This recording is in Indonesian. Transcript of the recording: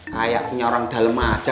kayak punya orang dalam aja